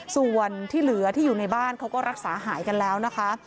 ส่วนที่เหลือที่อยู่ในบ้านเขาก็รักษาหายกันแล้วนะคะ